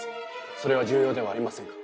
それは重要ではありませんか？